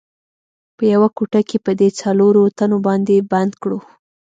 په یوه کوټه کې په دې څلورو تنو باندې بند کړو.